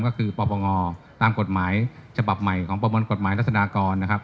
ก็คือปปงตามกฎหมายฉบับใหม่ของประวัติกรรมกฎหมายลัศนากร